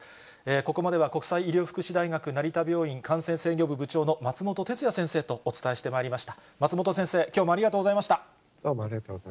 ここまでは国際医療福祉大学成田病院感染制御部部長の松本哲哉先生とお伝えしてまいりました。